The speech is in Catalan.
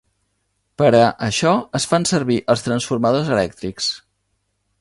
Per a això es fan servir els transformadors elèctrics.